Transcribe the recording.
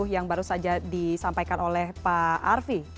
yang baru saja disampaikan oleh pak arfi